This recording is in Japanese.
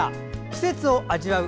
季節を味わう